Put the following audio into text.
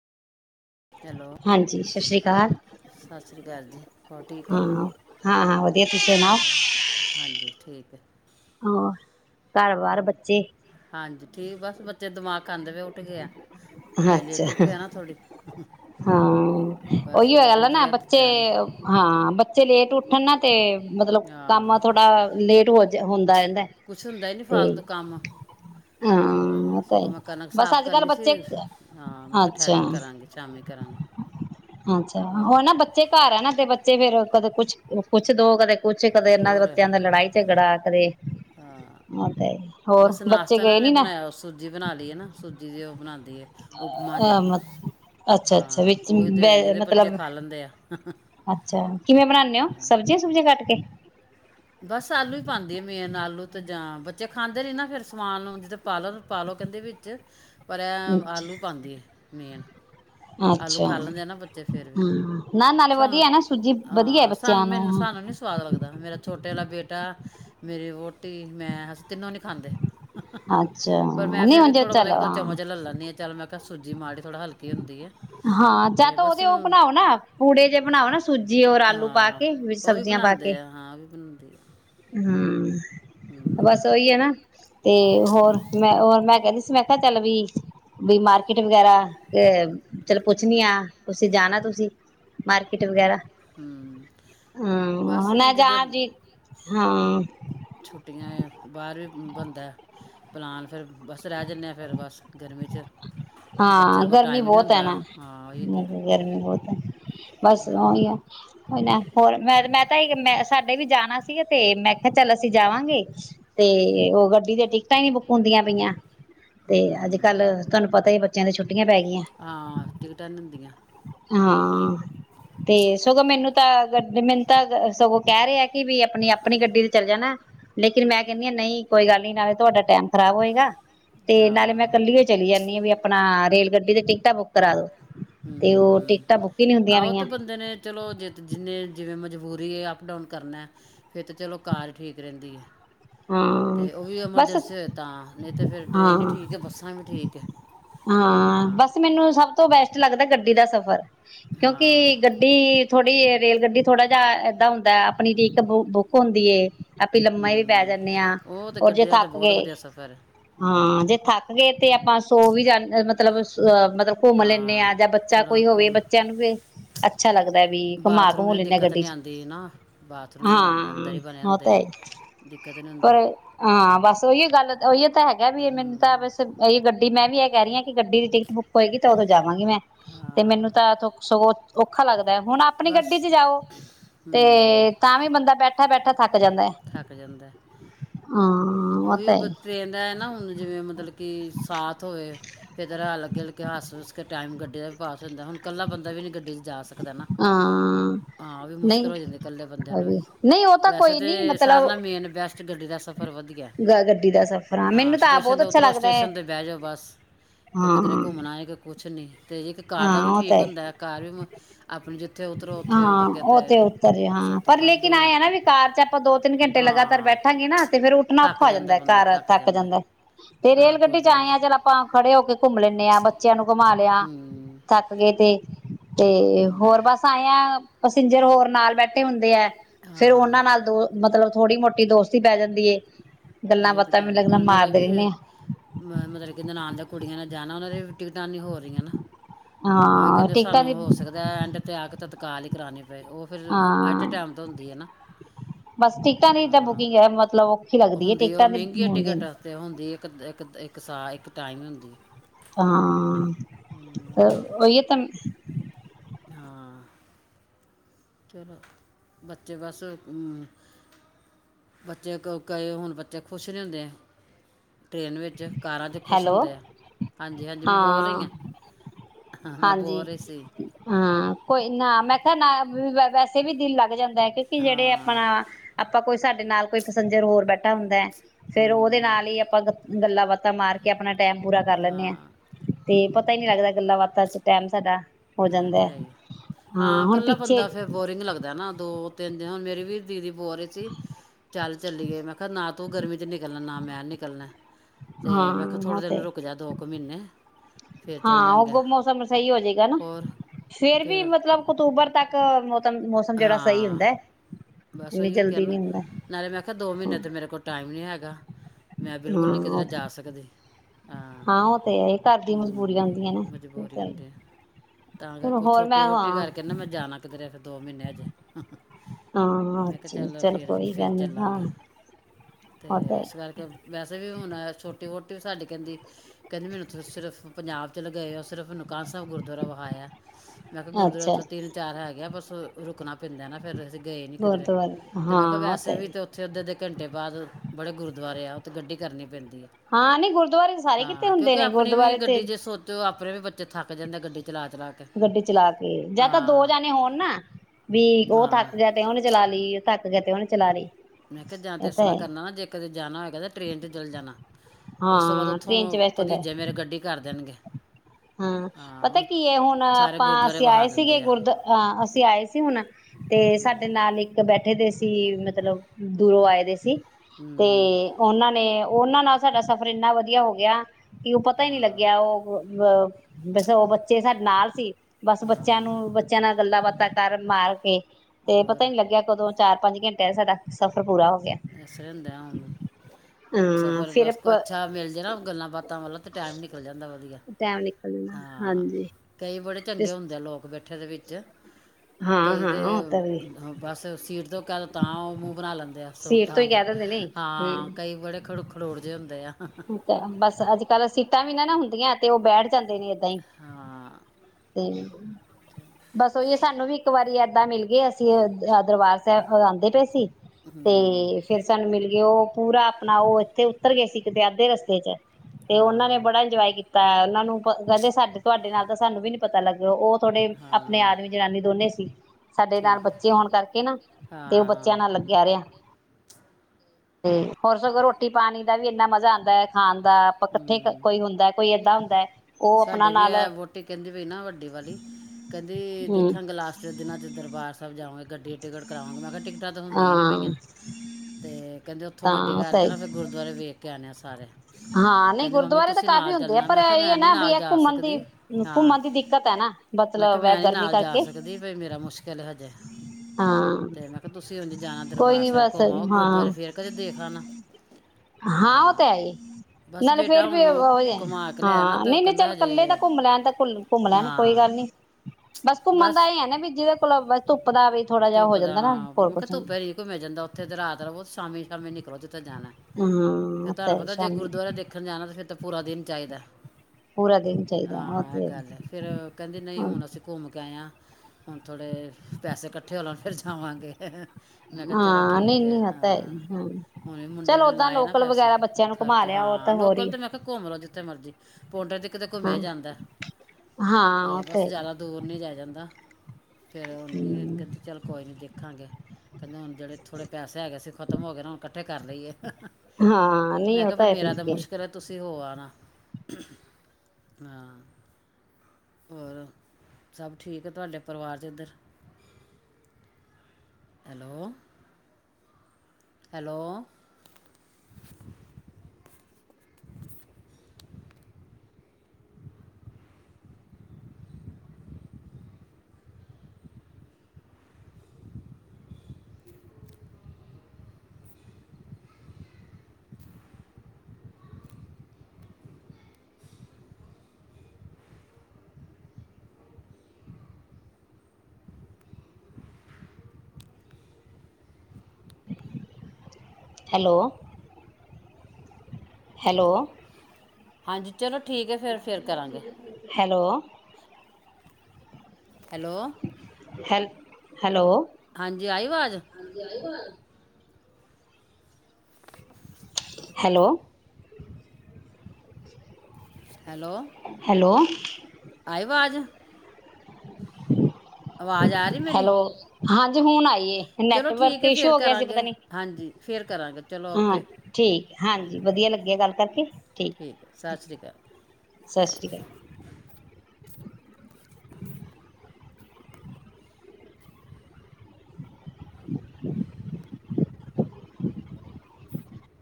Hello ਹਾਂਜੀ ਸਤਿ ਸ੍ਰੀ ਅਕਾਲ ਸਤਿ ਸ਼੍ਰੀ ਅਕਾਲ ਜੀ, ਹੋਰ ਠੀਕ ਹੋ, ਹਾਂ ਹਾਂ ਹਾਂ ਵਧੀਆ ਤੁਸੀਂ ਸੁਣਾਓ ਹਾਂਜੀ ਠੀਕ ਹੈ। ਹੋਰ। ਘਰ ਬਾਰ ਬੱਚੇ ਹਾਂਜੀ, ਠੀਕ ਬਸ ਬੱਚੇ ਦਿਮਾਗ ਖਾਂਦੇ ਪਏ, ਉੱਠ ਗਿਆ ਅਜ ਅੱਛਾ ਲੇਟ ਉੱਠਿਆ ਨਾ ਥੋੜੀ ਬਸ ਉਹੀ ਉਹ ਗੱਲ ਆ ਦੁੱਧ ਨਾ ਦਾ ਬੱਚੇ ਦਿੱਤਾ ਨੇ ਹਾਂ ਚੇ ਲੇਟ ਉੱਠਣ ਨਾ ਤੇ ਮਤਲਬ, ਕੰਮ ਹਾਂ ਥੋੜਾ ਲੇਟ ਹੋ ਹੁੰਦਾ ਕੁਛ ਹੁੰਦਾ ਹੀ ਨਹੀਂ ਤੇ ਫਾਲਤੂ ਕੰਮ ਹਾਂ ਤੇ ਉਹ ਤਾਂ ਹੈ, ਸਗੋਂ ਹੀ ਮੈਂ ਕਣਕ ਬਸ ਸਾਫ਼ ਅੱਜ ਕੱਲ ਕਰਨੀ ਸੀ ਬੱਚੇ ਹਾਂ ਮੈਂ ਕਿਹਾ ਠਹਿਰ ਅੱਛਾ ਕੇ ਕਰਾਂਗੇ ਸ਼ਾਮੀ ਕਰਾਂਗੇ ਅੱਛਾ ਹੋਰ ਉਹ ਨਾ ਬੱਚੇ ਘਰ ਹੈ ਨਾ ਤੇ ਬੱਚੇ ਫੇਰ ਕਦੇ ਕੁੱਛ, ਕੁੱਛ ਦੋ ਕਦੇ ਕੁਛ ਕਦੇ ਇਹਨਾਂ ਦੇ ਹੋਰ ਬੱਚਿਆਂ ਦਾ ਲੜਾਈ ਝਗੜਾ। ਓ ਤੇ ਹਾਂ ਹੈ ਹੀ, ਹੋਰ ਬਸ ਬੱਚੇ ਨਾਸ਼ਤਾ ਗਏ ਨੇ ਨੀ ਨਾ, ਬਣਾਇਆ ਉਹ ਸੂਜੀ ਬਣਾ ਲਈ ਹੈ ਨਾ ਸੂਜੀ ਦੀ ਉਹ ਬਣਾਉਂਦੀ ਹੈ ਉਪਮਾ ਜਿਹਾ ਅੱਛਾ-ਅੱਛਾ ਹਾਂ ਵਿੱਚ ਉਹ ਹੀ ਦੇ ਦੇ ਬੇ ਕਹਿੰਦੇ ਬੱਚੇ ਮਤਲਬ ਖਾ ਲੈਂਦੇ ਆ ਅੱਛਾ ਕਿਵੇਂ ਬਣਾਨੇ ਹੋ? ਸਬਜ਼ੀਆਂ ਸੁਬਜ਼ੀਆਂ ਕੱਟ ਕੇ? ਬਸ ਆਲੂ ਹੀ ਪਾਉਂਦੀ ਆ ਮੇਨ ਆਲੂ ਤੇ ਜਾਂ ਬੱਚੇ ਖਾਂਦੇ ਰੀ ਨਾ ਫਿਰ ਸਮਾਨ ਜਿੱਦ ਪਾਲੋ ਪਾਲੋ ਕਹਿੰਦੇ ਵਿੱਚ। ਪਰ ਇਹ ਆਲੂ ਪਾਂਦੀ ਏ, ਮੇਨ ਆਲੂ ਅੱਛਾ ਖਾ ਲੈਂਦੇ ਆ ਨਾ ਬੱਚੇ ਫਿਰ ਵੀ ਹਮ ਨਾ ਨਾਲੇ ਸਾਨੂੰ ਵਧੀਆ ਨਾ ਸੂਜੀ ਵਧੀਆ ਹਾਂ ਬੱਚਿਆਂ ਸਾਨੂੰ ਮੈਨੂੰ ਨੂੰ ਸਾਨੂੰ ਨਹੀਂ ਸਵਾਦ ਲੱਗਦਾ ਮੇਰਾ ਛੋਟ ਬੇਟਾ, ਮੇਰੀ ਰੋਟੀ, ਮੈਂ, ਅਸੀ ਤਿੰਨੋ ਨੀ ਖਾਂਦੇ। ਅੱਛਾ ਪਰ ਮੈਂ ਨਹੀਂ ਫੇਰ ਹੁਣ ਵੀ ਜੇ ਥੋੜਾ ਬਹੁਤਾ ਚਲ ਇੱਕ ਦੋ ਚਮਚ ਲੈ ਲੈਂਦੀ ਹਾਂ ਚੱਲ ਮੈ ਤਾ ਸੂਜੀ ਮਾੜੇਤ ਹਾਂ ਜ ਤਾਂ ਬਸ ਉਹਦੇ ਉਹ ਬਣਾਓ ਨਾ ਪੂੜੇ ਜਿ ਬਣਾਓ ਨਾ ਸੂਜੀ ਔਰ ਆਲੂ ਪਾ ਹਾਂ ਕੇ ਵਿੱਚ ਉਹ ਵੀ ਸਬਜ਼ੀਆਂ ਪਾ ਕੇ। ਬਣਾਉਂਦੇ ਆ ਹਾਂ ਉਹ ਵੀ ਬਣਾਉਂਦੀ ਆ ਹਮ ਹੂੰ ਬਸ ਉਹੀ ਹੈ ਨਾ। ਤੇ ਹੋਰ ਮੈਂ ਹੋਰ ਮੈਂ ਕਹਿੰਦੀ ਸੀ ਮੈਂ ਕਿਹਾ ਚੱਲ ਵੀ ਬਈ ਮਾਰਕੀਟ ਵਗੈਰਾ ਕਿ ਚਲ ਪੁੱਛਣੀ ਆ ਤੁਸੀਂ ਜਾਣਾ ਤੁਸੀਂ? ਮਾਰਕੀਟ ਵਗੈਰਾ ਹੂੰ ਬਸ ਹਾਂ ਹੁਣ ਜਾ ਜਦੋਂ ਹਾਂ। ਛੁੱਟੀਆਂ ਹੈ ਬਾਹਰ ਵੀ ਬਣਦਾ ਪਲਾਨ ਫਿਰ ਬਸ ਰਹਿ ਜਾਂਦੇ ਹ ਫਿਰ ਬਸ ਗਰਮੀ ਚ। ਹਾਂ ਬੱਚਿਆਂ ਕੋਲ ਗਰਮੀ ਟਾਈਮ ਨਹੀਂ ਬਹੁਤ ਹੈ ਹੁੰਦਾ ਨਾ, ਹਾਂ ਉਹੀ ਤਾਂ ਗਰਮੀ ਬਹੁਤ ਹੈ ਬਸ ਹਾਂ ਉਹੀ ਆ। ਹੋਰ ਮੈਂ ਮੈਂ ਤਾਂ ਮੈਂ ਸਾਡੇ ਵੀ ਜਾਣਾ ਸੀਗਾ ਤੇ ਮੈਂ ਕਿਹਾ ਚੱਲ ਅਸੀਂ ਜਾਵਾਂਗੇ ਤੇ ਉਹ ਗੱਡੀ ਦੀ ਟਿਕਟਾਂ ਹੀ ਨੀ ਬੁੱਕ ਹੁੰਦੀਆਂ ਪਈਆਂ। ਤੇ ਅੱਜ ਹੂੰ ਕੱਲ ਤੁਹਾਨੂੰ ਬੱਚਿਆਂ ਛੁਟੀ ਹਾਂ ਟਿਕਟਾਂ ਨੀ ਹੁੰਦੀਆਂ। ਹਾਂ ਤੇ ਸਗੋਂ ਮੈਨੂੰ ਤਾਂ ਗ ਮੈਨੂੰ ਤਾਂ ਸਗੋਂ ਕਹਿ ਰਹੇ ਆ ਕਿ ਵੀ ਆਪਣੀ ਆਪਣੀ ਗੱਡੀ ਤੇ ਚੱਲ ਜਾਣਾ ਲੇਕਿਨ ਮੈਂ ਕਹਿਣੀ ਹ ਨਹੀਂ ਕੋਈ ਗੱਲ ਨੀ ਨਾਲੇ ਤੁਹਾਡਾ ਟੈਮ ਖ਼ਰਾਬ ਹੋਏਗਾ। ਤੇ ਨਾਲੇ ਹਾਂ ਮੈਂ ਕੱਲੀ ਓ ਚਲੀ ਜਾਂ ਆਪਣਾ ਰੇਲ ਗੱਡੀ ਦੀਆਂ ਟਿਕਟਾਂ ਬੁੱਕ ਕਰਾ ਦੋ। ਤੇ ਉਹ ਹੁੰ ਟਿਕਟਾਂ ਬੁੱਕ ਹੀ ਨੀ ਹੁੰਦੀਆਂ ਹਾਂ ਓ ਪਈਆਂ ਤੇ ਬੰਦੇ ਨੇ ਚਲੋ ਜ ਜਿੰਨੇ ਜਿਵੇਂ ਮਜਬੂ ਬੂਰੀ ਹੈ ਅਪ ਡਾਊਨ ਕਰਨਾ ਫਿਰ ਤਾਂ ਚਲੋ ਕਾਰ ਠੀਕ ਰਹਿੰਦੀ ਹੈ। ਹਾਂ ਤੇ ਉਹ ਵੀ ਬਸ ਅਮਰਜੈਂਸੀ ਹੋਏ ਤਾਂ, ਨਹੀਂ ਤਾਂ ਫਿਰ ਟ੍ਰੇਨ ਵੀ ਹਾਂ ਠੀਕ ਹੈ, ਬੱਸਾਂ ਵੀ ਠੀਕ ਹੈ ਹਾਂ। ਬਸ ਮੈਨੂੰ ਸਭ ਤੋਂ ਬੈਸਟ ਲੱਗਦਾ ਗੱਡੀ ਦਾ ਸਫ਼ਰ। ਹਾਂ ਕਿਉਂਕਿ ਗੱਡੀ ਥੋੜ੍ਹੀ ਏ ਰੇਲ ਗੱਡੀ ਥੋੜਾ ਜਾ ਏਦਾਂ ਹੁੰਦਾ ਹੈ ਆਪਣੀ ਟੀਕ ਬੁੱਕ ਹੁੰਦੀ ਏ। ਆਪ ਲ ਮਾਈ। ਬਹਿ ਹੂੰ ਜਾਂਦੇ ਹਾਂ ਉਹ ਤੇ ਰ ਜੇ ਗੱਡੀ ਦਾ ਤੇ ਥੱਕ ਬਹੁਤ ਗਏ, ਵਧੀਆ ਸਫ਼ਰ ਹੈ। ਹਾਂ ਹੂੰ ਜੇ ਥੱਕ ਗਏ ਤੇ ਆਪਾਂ ਸੋ ਵੀ ਜਾ [unintelligible] ਘੁੰਮ ਲੇਂਨੇ ਹਾਂ ਆ, ਜਾਂ ਬੱਚਾ ਥੋੜਾ ਕੋਈ ਹੋਵੇ ਘੁੰਮ ਬੱਚੇਆਂ ਨੂੰ ਵੀ ਅੱਛਾ ਲਗਦੈ, ਵੀ ਘੁਮਾ- ਬਾਥਰੂਮ ਘੁਮੂ ਦੀ ਲਿਂਨੇ ਆ ਦਿੱਕਤ ਗੱਡੀ ਨਹੀਂ ਚ ਆਉਂਦੀ ਨਾ ਬਾਥਰੂਮ ਵੀ ਅੰਦਰ ਹਾਂ ਹੀ ਬਣੇ ਓ ਤੇ ਹੁੰਦੇ ਆ ਹੈ ਦਿੱਕਤ ਨਹੀਂ ਪਰ ਹੁੰਦੀ ਆਂ, ਬਸ ਓਈਓ ਗੱਲ ਤ ਓਈਓ ਤਾਂ ਹੈਗੈ ਵੀ ਮੈਨ ਤਾਂ ਹੂੰ ਬਸ ਐਈ ਗ [unintelligible] ਮੈਂ ਵੀ ਐ ਕੈਰੀ ਆਂ, ਕਿ ਗੱਡੀ ਦੀ ਟਿਕਟ ਬੁੱਕ ਹੋਏਗੀ ਤ ਓਦੋ ਜਾਂਵਾਂਂਗੀ ਮੈ। ਤੇ ਹਾਂ ਮੈਨੂੰ [unintelligible] ਓਖਾ ਲਗਦ, ਲੈ ਹੋਣ ਆਪਨੀ ਬਸ ਗੱਡੀ ਚ ਜਾਓ, ਤੇ ਹੂੰ ਤਾਂ ਵੀ ਬੰਦਾ ਬੈਠਾ ਬੈਠਾ ਥੱਕ ਜਾਂਦਾ ਐ। [unintelligible] ਓਈ ਤਾਂ ਹੈ [unintelligible] ਐ ਨਾ ਹੁਨ, ਜਿਵੇਂ ਮਤਲਵ ਕਿ ਸਾਥ ਹੋਵੇ, ਫੇਰ ਤਾ ਰਲ- ਗਿਲ ਕੇ ਹੱਸ -ਹੁੱਸ ਕੇ ਟਾਈਮ ਕੱਢ [unintelligible] [unintelligible] ਹੁਨ ਕੱਲਾ ਬੰਦਾ ਵੀ ਨੀ ਗੱਡੀ ਚ ਜਾ ਸਕਦਾ ਨਾ, ਹਾਂ ਹਾਂ ਓਵੀ ਮੁਸ਼ਕਲ ਨਹੀਂ ਹੋ ਜਾਂਦੀ ਕੱਲੇ ਬੰਦੇ ਨੂੰ ਨਹੀਂ ਉਹ ਵੀ ਤਾਂ ਵੈਸੇ ਕੋਈ ਨੀ ਤੇ ਮਤਲਬ ਸਾਰਨਾ ਮੇਨ ਬੈਸਟ ਗੱਡੀ ਦੱਸ? ਫਰ ਵਦੀਐ, ਗੱਡੀ ਦਾ ਸਫ਼ਰ ਹਾਂ ਮੈਨੂੰ ਤਾਂ ਆਪ ਸੇ਼ਟੇਸ਼ਨ ਬਹੁਤ ਤੇ ਅੱਛਾ ਉਤਰੋ ਲੱਗਦਾ ਹੈ ਸੇ਼ਟੇਸ਼ਨ ਤੇ ਬਹਿ ਜਓ ਬਸ। ਕੋਈ ਹਾਂ ਕਿਦਰੇ ਘੁੰਮਨਾ ਏ ਕੋ ਕੁਛ [unintelligible] ਤੇ ਇਕ ਕਾਰ ਦਾ ਹਾਂ ਵੀ ਉਹ ਤਾਂ ਠੀਕ ਹੈ ਹੁੰਦੈ। ਕਾਰ ਵੀ ਮ [unintelligible] ਉੱਥੇ ਹਾਂ ਉਤਰ ਕੇ ਓ ਤੇ ਉੱਤਰੇ ਆ, ਸਭ ਤੋਂ ਪਰ ਬਸ ਲੇਕਿਨ ਦੋ ਆਏ ਆ ਨਾ ਵੀ ਕਾਰ ਚ ਆਪਾਂ ਦੋ ਤਿੰਨ ਘੰਟੇ ਲਗਾਤਾਰ ਹਾਂ ਬੈਠਾਂਗੇ ਨਾ, ਤੇ ਫੇਰ ਉੱਠਨਾ ਥੱਕ ਓਖਾੱ ਹੋ ਜਾਂਦਾ ਬੰਦਾ ਘਰ ਆ ਥੱਕ ਜਾਂਦਾ ਜਾਂਦੈ, ਤੇ ਹਾਂ ਰੇਲ ਗੱਡੀ ਗੁੱਡ ਚ ਆਂਏ ਗੁੱਡ ਆ ਚੱਲ ਆਪਾਂ ਖੜੇ ਹੋ ਕੇ ਘੁੰਮ ਲੈਂਨੇ ਆਂ ਬੱਚੇਆਂ ਨੂੰ ਘੁਮਾ ਤੇ, ਆ ਹੂੰ ਥੱਕ ਕੇ ਤੇ ਤੇ ਘੁੰਮ ਹੋਰ ਲਿਆ ਬਸ ਭਾਏਆ ਪਸਿੰਜਰ ਹੋਰ ਨਾਲ ਬੈਠੇ ਹੁੰਦੇ ਐ ਫੇਰ ਹਾਂ ਓਨਾਂ ਨਾਲ ਦੋ, ਮਤਲਵ ਥੋੜੀ ਮੋਟੀ [unintelligible] ਦੋਸਤੀ ਪੈ ਜਾਂਦੀ ਏ ਏਇਓ ਤੇ ਗੱਲ, ਹੁਣ ਮੇਰੇ ਵੀ ਮ ਮਤਲਵ ਕਿ ਨਨਾਨ ਦੇ ਕੁੜੀਆਂ ਨੇ ਜਾਨਾ ਓਨਾਂ ਦੀ ਵੀ ਟਿਕਟਾਂ ਨਹੀਂ ਹੋਰੀ ਹੋਣ, ਉਹੀ ਹਾਂ ਕਹਿੰਦੇ ਟਿਕਟਾਂ ਸਾਨੂੰ ਦੀ ਹੋ ਸਕਦਾ ਐਂਡ ਤੇ ਆ ਕੇ ਤਤਕਾਲ ਹੀ ਕਰਾਉਣੀ ਹਾਂ, ਬਸ ਟਿਕਟਾਂ ਦੀ ਤੇ ਬੂਕਿੰਗ ਹੈ। ਮਤਲਵ ਔਖੀ ਗਲ ਹੋਂਦੀ, ਓ ਮ੍ਹੈਂਗੀ ਆ ਟਿਕਟ। ਤੇ ਹੋਂਦੀ ਏਕ, ਤ ਏਕ, ਏ ਏਕ ਸਾਲ਼ ਏਕ ਟਾਇਮ [unintelligible] ਹਾਂ ਤ ਉਹੀਏ ਤਾਂ ਹਾਂ ਚਲੋ। ਬੱਚੇ ਬਸ ਬੱਚੇ ਊ ਬੱਚੇ ਕਈ ਹੁਣ, ਬੱਚੇ ਖੁਸ਼ ਨਹੀਂ ਹੁੰਦੇ। ਟ੍ਰੇਨ ਵਿੱਚ ਕਾਰਾਂ ਚ ਖੁਸ਼ ਹੈਲੋ ਹੁੰਦੇ ਆ ਹਾਂਜੀ, ਹਾਂਜੀ ਮੈਂ ਬੋਲ ਰਹੀ ਹਾਂ ਹਾਂ ਮੈਂ ਬੋਲ ਹਾਂਜੀ ਰਹੀ ਸੀ। ਹਾਂ ਕੋਈ ਨਾ, ਮੈਂ ਕਿਹਾ ਨਾ ਵੈਸੇ ਵੀ ਦਿਲ ਲੱਗ ਜਾਂਦਾ। ਮੈਂ ਕਿਹਾ ਕਿ, ਜਿਹੜੇ ਹਾਂ ਆਪਣਾ ਆਪਾਂ ਕੁਛ ਸਾਡੇ ਨਾਲ ਕੋਈ ਪੈਸੈਂਜਰ ਹੋਰ ਬੈਠਾ ਹੁੰਦਾ ਏ। ਫੇਰ ਉਹਦੇ ਹਮ, ਨਾਲ ਹੀ ਆਪਾਂ ਗਪ ਗੱਲਾਂ ਬਾਤਾਂ ਮਾਰ ਕੇ ਆਪਣਾ ਟੈਮ ਪੂਰਾ ਕਰ ਲੈਂਦੇ ਆ ਹਾਂ ਤੇ ਪਰ ਪਤਾ ਹੀ ਨਹੀਂ ਲਗਦਾ ਗੱਲ ਬਾਤਾਂ ਚ ਟਾਈਮ ਸਾਡਾ ਹੋ ਹੈ ਜਾਂਦਾ ਤੇ ਹੈ ਹੀ ਹਾਂ ਹੁਣ ਇਕੱਲਾ ਪਿੱਛੇ ਬੰਦਾ ਫਰ ਬੋਰਿੰਗ ਲੱਗਦਾ ਨਾ ਦੋ ਤਿੰਨ ਦਿਨ ਹੁਣ ਮੇਰੀ ਵੀ ਦੀਦੀ ਬੋ ਰਹੀ ਸੀ ਚੱਲ ਚੱਲੀ ਗਏ ਮੈਂ ਕਿਹਾ ਨਾ ਤੂੰ ਗਰਮੀ ਚ ਨਿਕਲਣਾ ਨਾ ਮੈਂ ਨਿਕਲਣਾ ਤੇ ਹਾਂ ਮੈਂ ਕਿਹਾ ਥੋੜੇ ਉਹ ਦਿਨ ਤੇ ਰੁਕ ਜਾ ਦੋ ਕੁ ਮਹੀਨੇ ਫਿਰ ਚੱਲ ਹਾਂ ਜਾਂਗੇ ਉਹ ਮੌਸਮ ਸਹੀ ਹੋ ਜਾਏਗਾ ਨਾ ਹੋਰ ਫਰ ਵੀ ਫਿਰ ਮਤਲਬ ਅਕਤੂਬਰ ਤੱਕ ਮੌਤਮ ਮੌਸਮ ਜਿਹੜਾ ਸਹੀ ਹਾਂ ਹੁੰਦਾ ਬਸ ਇੰਨੀ ਉਹੀ ਕਿਹਾ ਜਲਦੀ ਨਾ ਨੀ ਹੁੰਦਾ ਨਾਲੇ ਮੈਂ ਦੋ ਮਹੀਨੇ ਤੇ ਮੇਰੇ ਕੋਲ ਟਾਈਮ ਨਹੀਂ ਹੈਗਾ ਮੈਂ ਬਿਲਕੁਲ ਨਹੀਂ ਹਾਂ ਉਹ ਕਿਧਰੇ ਤੇ ਜਾ ਸਕਦੀ ਹਾਂ ਉਹ ਤੇ ਹੈ ਘਰ ਦੀ ਮਜਬੂਰੀਆਂ ਹਮ ਹੁੰਦੀਆਂ ਨੇ ਉਹ ਮਜਬੂਰੀ ਤੇ ਹੁੰਦੀ ਆ ਹੈ ਤਾਂ ਕਰਕੇ ਹੋਰ ਮੈਂ ਛੋਟੀ ਮੋਟੀ ਹਾਂ ਕਰਕੇ ਨਾ ਮੈਂ ਜਾਣਾ ਕਿਧਰਾਦੀ ਦੋ ਮਹੀਨੇ ਅਜ ਹਾਂ ਮੈਂ ਕਿਹਾ ਅੱਛਾ ਚੱਲ ਫੇਰ ਕੋਈ ਫਿਰ ਗੱਲ ਨੀ ਹਾਂ ਚੱਲਾਂਗੇ ਤੇ ਇਸ ਕਰਕੇ ਵੈਸੇ ਵੀ ਹੁਣ ਛੋਟੀ ਮੋਟੀ ਵੀ ਸਾਡੀ ਕਹਿੰਦੀ ਕਹਿੰਦੀ ਮੈਨੂੰ ਤੁਸੀਂ ਸਿਰਫ਼ ਪੰਜਾਬ ਚ ਲ ਗਏ ਹੋ ਸਿਰਫ ਨੁਕਾਨ ਸਾਹਿਬ ਗੁਰਦੁਆਰਾ ਵਿਹਾਇਆ ਮੈਂ ਕਿਹਾ ਗੁਰਦੁਆਰਾ ਅੱਛਾ ਉੱਥੋਂ ਤਿੰਨ ਚਾਰ ਹੈ ਗਿਆ ਬਸ ਰੁਕਣਾ ਪੈਂਦਾ ਨਾ ਫੇਰ ਅਸੀਂ ਗਏ ਨੀ ਕਿਧਰੇ ਗੁਰਦੁਆਰੇ ਤੇ ਹਾਂ ਮੈਂ ਕਿਹਾ ਉਹ ਵੈਸੇ ਵੀ ਤੇ ਉੱਥੇ ਓਧਰ ਦੇ ਇੱਕ ਘੰਟੇ ਬਾਅਦ ਬੜੇ ਗੁਰਦੁਆਰੇ ਆੱਥੇ ਗੱਡੀ ਕਰਨੀ ਪੈਂਦੀ ਹੈ ਹਾਂ ਨ ਗੁਰਦੁਆਰੇ ਸਾਰੇ ਕਿਥਤੇ ਹਾਂ ਹੁੰਦੇ ਕਿਉਂਕਿ ਨੇ ਆਪਣੀ ਵੀ ਗੁਰਦੁਆਰੇ ਤੇ ਗੱਡੀ ਜੇ ਸੋਚੋ ਆਪਣੇ ਵੀ ਬੱਚੇ ਥੱਕ ਜਾਂਦਾ ਗੱਡੀ ਚਲਾ ਚਲਾ ਕੇ ਗੱਡੀ ਚਲਾ ਕੇ ਜਾਂ ਤਾਂ ਦੋ ਹਾਂ ਜਾਣੇ ਹੋਣ ਨਾ ਵੀ ਉਹ ਹਾਂ ਥੱਕ ਗਿਆ ਤੇ ਉਹਹਨੇ ਚਲਾ ਲਈ ਥੱਕ ਪ ਗਏ ਤੇ ਉਹੁਣ ਚਲਾ ਰਹੀ ਮੈਂ ਕਿਹਾ ਜਾਂ ਤਾਂ ਇਸ ਤਰ੍ਹਾਂ ਕਰਨਾ ਨਾ ਜੇ ਕਤੇ ਜਾਣਾ ਹੋਏਗਾ ਤਾਂ ਟ੍ਰਰੇਨ 'ਚ ਚਲ ਜਾਣਾ ਉਸ ਤੋਂ ਬਾਅਦ ਹਾਂ ਟ੍ਰੇਨ ਉੱਥੋਂ ਚ ਬੈਸਟ ਹੁੰਦਾ ਭਤੀਜੇ ਮੇਰੇ ਗੱਡੀ ਕਰ ਦੇਣਗੇ ਹਾਂ ਪਤਾ ਕੀ ਹੈ ਹੁਣ ਸਾਰੇ ਆਪਾਂ ਗੁਰਦੁਆਰੇ ਅਸੀਂ ਵਹਾ ਆਏ ਸੀਗੇ ਦਿੰਦੇ ਆ ਗੁਰਦੁ ਅਸੀਂ ਆਏ ਸੀ ਹੁਣ ਤੇ ਸਾਡੇ ਨਾਲ ਇੱਕ ਬੈਠੇ ਦੇ ਸੀ ਮਤਲਬ ਦੂਰੋਂ ਆਏ ਦੇ ਸੀ ਤੇ ਹੂੰ ਉਹਨਾਂ ਨੇ ਉਹਨਾਂ ਨਾਲ ਸਾਡਾ ਸਫ਼ਰ ਇੰਨਾ ਵਧੀਆ ਹੋ ਗਿਆ ਕਿ ਉਹ ਪਤਾ ਹੀ ਨਹੀਂੀ ਹਾਂ ਲੱਗਿਆ ਉਹ ਅ ਵੈਸੇ ਉਹ ਬੱਚੇ ਸਾਡੇ ਨਾਲ ਸੀ ਬਸ ਬੱਚਿਆਂ ਹਾਂ ਨੂੰ ਬੱਚਿਆਂ ਨਾਲ ਗੱਲਾਂ ਬਾਤ ਤਾ ਕਰ ਮਾਰ ਕੇ ਤੇ ਪਤਾ ਹੋਰ ਨੀ ਲੱਗਿਆ ਕਦੋਂ ਚਾਰ ਪੰਜ ਘੰਟੇ ਕੈਸਡਾ ਸਫ਼ਰ ਪੂਰਾ ਗਿਆ ਇਸ ਤਰ੍ਹਾਂ ਹੁੰਦੇ ਹੁਣ ਹਾਂ ਸਫ਼ਰ ਫਿਰ ਬਸ ਕੁ ਅੱਛਾ ਮਿਲ ਜਾਣਾ ਗੱਲਾਂ ਬਾਤਾਂ ਮਤਲਬ ਟਾਈਮ ਨਿਕਲ ਜਾਂਦਾ ਵਧੀਆ ਟੈਮ ਨਿਕਲ ਜਾਣਾ ਹਾਂ ਹਾਂਜੀ ਕਈ ਬੜੇ ਚੰਗੇ ਹੁੰ ਆ ਲੋਕ ਬੈਠੇ ਹਾਂ ਕਈ ਹਾਂ ਤੇ ਉਹ ਤਾਂ ਵੀ ਬਸ ਸੀਟ ਤੋਂ ਤਾਂ ਉਹ ਮੂੰਹ ਬਣਾ ਲੈਂਦੇ ਆ ਸੀਟ ਤੋਂ ਹੀ ਕਹਿ ਦਿੰਦੇ ਨੇ ਹਾਂ ਕਈ ਬੜੇ ਖੜੂ ਖਲੋੜ ਜਿਹੇ ਹੁੰਦੇ ਆ ਠਕ ਹੈ ਬਸ ਅੱਜ ਕੱਲ ਸੀਟਾਂ ਵੀ ਨਾ ਹੁੰਦੀਆਂ ਤੇ ਉਹ ਬੈਠ ਜਾਂਦੇ ਨੇ ਹਾਂ ਤੇ ਬਸ ਉਹੀ ਸਾਨੂੰ ਵੀ ਇੱਕ ਵਾਰੀ ਏਦਾਂ ਮਿਲ ਗਏ ਅਸੀਂ ਦਰਬਾਰ ਸਾਹਿਬ ਆਉਂਦੇ ਪਏ ਸੀ ਹੂੰ, ਤੇ ਫੇਿਰ ਸਾਨੂੰ ਮਿਲ ਗ ਉਹ ਪੂਰਾ ਆਪਣਾ ਉਹ ਇੱਥੇ ਉੱਤਰ ਗਏ ਸੀ ਕਿਤੇ ਅੱਧੇ ਰਸਤੇ ਚ ਤੇ ਉਹਨਾਂ ਨੇ ਹਾਂ ਬੜਾ ਇੰਜੋਏ ਕੀਤਾ ਉਹਨਾਂ ਨੂੰ ਕਹਿੰਦੇ ਸਾਡੇ ਤੁਹਾਡੇ ਨਾਲ ਤਾਂ ਸਾਨੂੰ ਵੀ ਨੀ ਪਤਾ ਲੱਗਾ ਉਹ ਥੋਡੇ ਆਪਣੇ ਹਾਂ ਆਦਮੀ ਜਨਾਨੀ ਦੋਨੇ ਸੀ ਸਾਡੇ ਨਾਲ ਠੀਕ ਬੱਚੇ ਹੋਣ ਕਰਕੇ ਨਾ ਹਾਂ ਤੇ ਉਹ ਬੱਚਿਆਂ ਹਾਂ ਨਾਲ ਲੱਗਿਆ ਰਿਹਾ ਤੇ ਹੋਰ ਸਗੋਂ ਰੋਟੀ ਪਾਣੀ ਦਾ ਵੀ ਇੰਨਾ ਮਜ਼ਾ ਜਾਂਦਾ ਹੈ ਖਾਣ ਹਮ ਹੁੰਦਾ ਕੋਈ ਏਦਾਂ ਹੁੰਦਾ ਉਹ ਆਪਣਾ ਸਾਡੇ ਵੀ ਨਾਲ ਇਹ ਵਹੁਟੀ ਕਹਿੰਦੀ ਪਈ ਨਾ ਵੱਡੀ ਵਾਲੀ ਕਹਿੰਦੀ ਹਮ ਦੇਖਾਂਗੇ ਲਾਸਟ ਦਿਨਾਂ ਚ ਦਰਬਾਰ ਸਾਹਿਬ ਜਾਵਾਂ ਗੱਡੀ ਟਿਕਟ ਕਰਾਵਾਂਗੇ ਮੈਂ ਕਿਹਾ ਟਿਕਟਾਂ ਤਾਂ ਹੁੰਦੀਆਂ ਨਹੀਂ ਹਾਂ ਪਈਆਂ ਤੇ ਕਹਿੰਦੇ ਉੱਥੋਂ ਗੱਡੀ ਤਾਂ ਕਰ ਰ ਕੇ ਸਹੀ ਨਾ ਫਿਰ ਗੁਰਦੁਆਰੇ ਵੇਖ ਕੇ ਆਉਂਦੇ ਆਾਂ ਸਾਰੇ ਹਾਂ ਨਹੀਂ ਕਹਿੰਦੇ ਮੰਮੀ ਗੁਰਦੁਆਰੇ ਤਾਂ ਤੁਸੀਂ ਨਾਲ ਕਾਫ਼ੀ ਹੁੰਦੇ ਆ ਚੱਲਣਾ ਪਰ ਮੈਂ ਕਿਹਾ ਇਹ ਹੈ ਮੈਂ ਨੀ ਨਾ ਵੀ ਨਾਲ ਇਹ ਜਾ ਘੁੰਮਣ ਦੀ ਸਕਦੀ ਹਾਂ ਘੁੰਮਣ ਦੀ ਦਿੱਕਤ ਹੈ ਨਾ ਮੈਂ ਕਿਹਾ ਮਤਲਬ ਹੈ ਮੈਂ ਨੀ ਗਰਮੀ ਨਾਲ ਜਾ ਕਰਕੇ ਸਕਦੀ ਬ ਮੇਰਾ ਮੁਸ਼ਕਿਲ ਹਜੇ ਹਾਂ ਤੇ ਮੈਂ ਕਿਹਾ ਤੁਸੀਂਝ ਜਾਣਾ ਕੋਈ ਦਰਬਾਰ ਨੀ ਸਾਹਿਬ ਬਸ ਘੁੰਮਾ ਹਾਂ ਗੁਰਦੁਆਰੇ ਫੇਿਰ ਕ ਦੇਖ ਆਣਾ ਹਾਂ ਉਹ ਤੇ ਹੈਈ ਨਾਲੇ ਫੇਰ ਵੀ ਹੁਣ ਉਹ ਕਮਾ ਕੇ ਲਿਆ ਨਾ ਹਾਂ ਤੇ ਉਹ ਨਹੀਂ ਨਹੀਂ ਕਹਿੰਦਾ ਚੱਲ ਕੱਲੇ ਤਾਂ ਹਜੇ ਘੁੰਮ ਲੈਣ ਤਾਂ ਘੁੰਮ ਲੈਣ ਕੋਈ ਹਾਂ ਗੱਲ ਨੀ ਬਸ ਘੁੰਮਣ ਦਾ ਇਹ ਹੈ ਨਾ ਵੀ ਜਿਹਦੇ ਕੋਲ ਧੁੱਪ ਦਾ ਵੀ ਥੋੜਾ ਜਿਹਾ ਧੁੱਪ ਹੋ ਦਾ ਜਾਂਦਾ ਨਾ ਹਾਂ ਹੋਰ ਮੈਂ ਕਿਹਾ ਕੁਛ ਨੀ ਧੁੱਪ ਹੈ ਰੀ ਘ ਮਿਲ ਜਾਂਦਾ ਉੱਥੇ ਤੇ ਰਾਤ ਬਹੁਤ ਸ਼ਾਮੀ ਕਮਊਨੀ ੋ ਜਿੱਥੇ ਜਾਣਾ ਹਾਂ ਫੇਰ ਉਹ ਤੁਹਾਨੂੰ ਤਾਂ ਹੈ ਪਤਾ ਜੇ ਸ਼ਾਮੀ ਗੁਰਦੁਆਰਾ ਦੇਖਣ ਜਾਣਾ ਤਾਂ ਫਿਰ ਤਾਂ ਪੂਰਾ ਦਿਨ ਚਾਹੀਦਾ ਪੂਰਾ ਦਿਨ ਚਾਹੀਦਾ ਉਹ ਹਾਂ ਇਹ ਤੇ ਗੱਲ ਫੇਿਰ ਕਹਿੰਦੀ ਨਹੀਂ ਹੁਣ ਅਸੀਂ ਘੁੰਮ ਕੇ ਆਏ ਹਾਂ ਹੁਣ ਥੋੜੇ ਪੈੇ ਕੱ ਠੇਲ ਨੂੰ ਫਿਰ ਜਾਵਾਂਗੇ ਮੈਂ ਕਿਹਾ ਚਲੋ ਹਾਂ ਨਹੀਂ ਠੀਕ ਹੈ ਨਹੀਂ ਉਹ ਤਾਂ ਹਾਂ ਹੀ ਹੁਣ ਵੀ ਮੁੰਡੇ ਚੱਲ ਨੇ ਓਦਾਂ ਲਾਏ ਨਾ ਲੋਕਲ ਪੈਸੇ ਵਗੈਰਾ ਬੱਚਿਆਂ ਨੂੰ ਘੁਮਾ ਖਰਚ ਲਿਆ ਉਹ ਹਾਂ ਤਾਂ ਹੋਰ ਹੀ ਲੋਕਲ ਤੇ ਮੈਂ ਕਿਹਾ ਘੁੰਮ ਲਓ ਜਿੱਥੇ ਮਰਜ਼ੀ ਪੋਂਡੇ ਦੀ ਇੱਕ ਤੇ ਹਾਂ ਘੁੰਮਿਆ ਜਾਂਦਾ ਹਾਂ ਤੇ ਉਹ ਤਾਂ ਹੈ ਬਸ ਜ਼ਿਆਦਾ ਦੂਰ ਨੀ ਜਾ ਜਾਂਦਾ ਫੇਰ ਹੁਣ ਵੀ ਹੂੰ ਕਹਿੰਦੇ ਚੱਲ ਕੋਈ ਨੀ ਦੇਖਾਂਗੇ। ਕਹਿੰਦੇ ਹੁਣ ਜਿਹੜੇ ਥੋੜ੍ਹੇ ਪੈਸੇ ਹੈਗੇ ਸੀਂ ਖਤਮ ਹੋ ਗਏ ਨਾ ਹੁਣ ਇਕੱਠੇ ਕਰ ਲਈਏ ਹਾਂ ਮੈਂ ਨਹੀਂ ਉਹ ਕਿਹਾ ਵੀ ਮੇਰਾ ਤਾਂ ਠੀਕ ਮੁਸ਼ਕਿਲ ਹੈ ਤੁਸੀਂ ਹੋ ਆਨਾ। ਹਾਂ-ਹਾਂ ਹੋਰ ਸਭ ਠੀਕ ਹੈ ਤੁਹਾਡੇ ਪਰਿਵਾਰ ਚ ਇੱਧਰ। ਹੈਲੋ। ਹੈਲੋ। ਹੈਲੋ। ਹੈਲੋ। ਹਾਂਜੀ ਚਲੋ ਠੀਕ ਹੈ ਫੇਰ ਫਿਰ ਕਰਾਂਗੇ। ਹੈਲੋ। ਹੈਲੋ। ਹੈਲ ਹੈਲੋ ਹਾਂਜੀ ਆਈ ਆਵਾਜ਼ ਹਾਂਜੀ ਆਈ ਆਵਾਜ਼। ਹੈਲੋ। Hello hello. [inaudible] ਆਈ ਆਵਾਜ਼। ਆਵਾਜ਼ ਆ ਰਹੀ ਮੇਰੀ। ਹੈਲੋ ਹਾਂਜੀ ਹੁਣ ਆਈ ਏ। ਚਲੋ ਠੀਕ ਹੈ ਫੇਰ ਕਰਾਂਗੇ ਹਾਂਜੀ ਫੇਰ ਕਰਾਂਗੇ। ਚਲੋ ਓਕੇ [unintelligible] [unintelligible] ਠੀਕ ਹੈ ਸਤਿ ਸ਼੍ਰੀ ਸਤਿ ਅਕਾਲ। ਸ਼੍ਰੀ ਅਕਾਲ